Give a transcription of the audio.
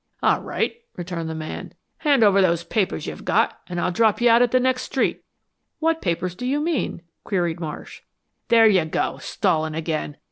"All right," returned the man. "Hand over those papers you've got and I'll drop you out at the next street." "What papers do you mean?" queried Marsh. "There you go stalling again.